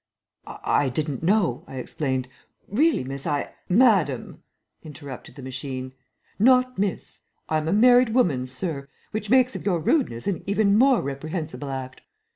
"I didn't know," I explained. "Really, miss, I " "Madame," interrupted the machine, "not miss. I am a married woman, sir, which makes of your rudeness an even more reprehensible act.